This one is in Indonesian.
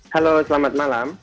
halo selamat malam